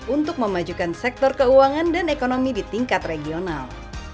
untuk memajukan sektor keuangan dan ekonomi di tingkat regional